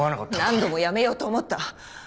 何度もやめようと思った。